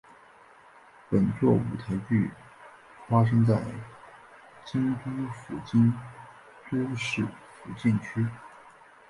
本作舞台发生在京都府京都市伏见区。